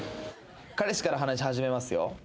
彼氏から話し始めますよ。